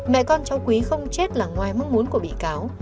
mẹ con cháu quý không chết là ngoài mong muốn của bị cáo